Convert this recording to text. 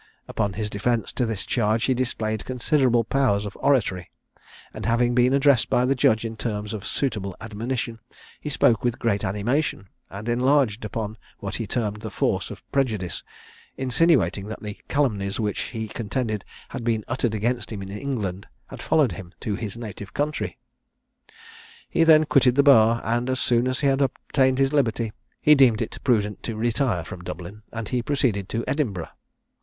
Upon his defence to this charge he displayed considerable powers of oratory, and having been addressed by the Judge in terms of suitable admonition, he spoke with great animation, and enlarged upon what he termed the force of prejudice, insinuating that the calumnies which, he contended, had been uttered against him in England, had followed him to his native country. He then quitted the bar, and as soon as he had obtained his liberty, he deemed it prudent to retire from Dublin, and he proceeded to Edinburgh.